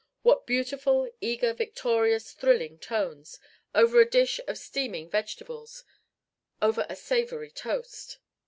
What beautiful, eager, victorious, thrilling tones over a dish of steaming vegetables over a savory toast!